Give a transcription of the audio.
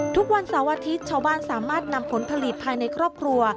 ทุกวันเสาร์อาทิตย์ชาวบ้านสามารถนำผลผลิตภายในครอบครัว